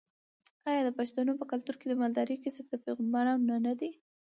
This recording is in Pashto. آیا د پښتنو په کلتور کې د مالدارۍ کسب د پیغمبرانو نه دی؟